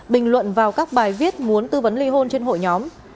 bình luận vào các bài viết muốn tư vấn ly hôn trên hội nhóm